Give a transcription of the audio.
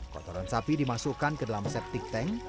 kotoran sapi dimasukkan ke dalam septic tank